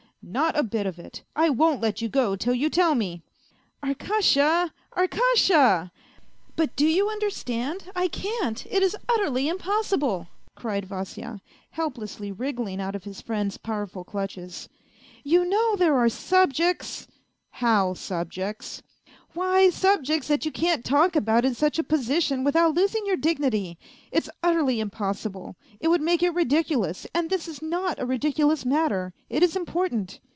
" Not a bit of it, I won't let you go till you tell me !"" Arkasha ! Arkasha ! But do you understand, I can't it is utterly impossible !" cried Vasya, helplessly wriggling out of his friend's powerful clutches, " you know there are subjects !"" How subjects ?"..." Why, subjects that you can't talk about in such a position without losing your dignity; it's utterly impossible; it would make it ridiculous, and this is not a ridiculous matter, it is important."